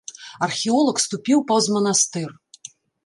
Археолаг ступіў паўз манастыр.